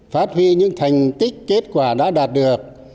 phát huy những thành tích kết quả đã đạt được